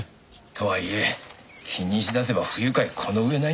とはいえ気にしだせば不愉快この上ないのも確かだぞ。